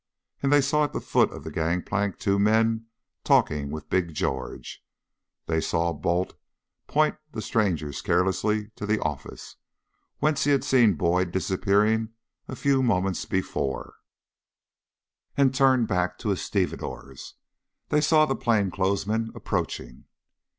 and they saw at the foot of the gang plank two men talking with Big George. They saw Balt point the strangers carelessly to the office, whence he had seen Boyd disappearing a few moments before, and turn back to his stevedores; then they saw the plain clothes men approaching.